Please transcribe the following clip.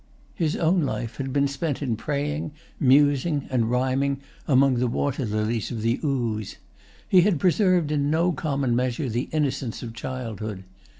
His own life had been spent in praying, musing, and rhyming among the water lilies of the Ouse. He had preserved in no common measure the innocence of childhood.